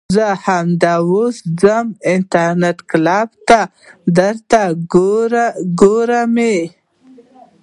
زه همدا اوس ځم انترنيټ کلپ ته درته ګورم يې .